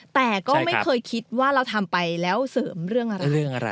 แต่ก็ไม่เคยคิดว่าเราทำไปแล้วเสริมเรื่องอะไร